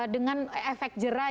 dengan efek jerai